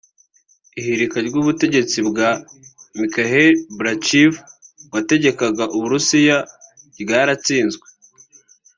Ihirikwa ry’ubutegetsi bwa Mikhail Gorbachev wategekaga u Burusiya ryaratsinzwe